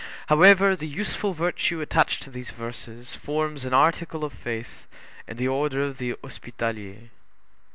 However, the useful virtue attached to these verses forms an article of faith in the order of the Hospitallers.